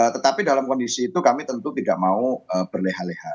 tetapi dalam kondisi itu kami tentu tidak mau berleha leha